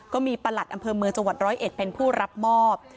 ก็มีประหลัดอำเภอเมืองจังหวัด๑๐๑เป็นผู้รับมอบ